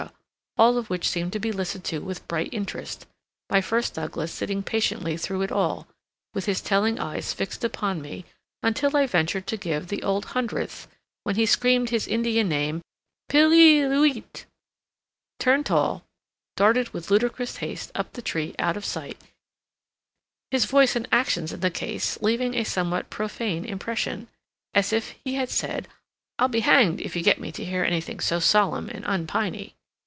all of which seemed to be listened to with bright interest, my first Douglas sitting patiently through it all, with his telling eyes fixed upon me until I ventured to give the "Old Hundredth," when he screamed his Indian name, Pillillooeet, turned tail, and darted with ludicrous haste up the tree out of sight, his voice and actions in the case leaving a somewhat profane impression, as if he had said, "I'll be hanged if you get me to hear anything so solemn and unpiny."